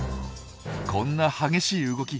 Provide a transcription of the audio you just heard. こんな激しい動き